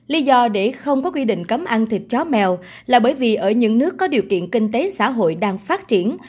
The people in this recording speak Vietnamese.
lý do để không có quy định cấm ăn thịt chó mèo là bởi vì ở những nước có điều kiện kinh tế xã hội đang phát triển